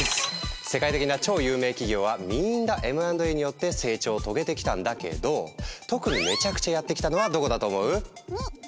世界的な超有名企業はみんなＭ＆Ａによって成長を遂げてきたんだけど特にめちゃくちゃやってきたのはどこだと思う？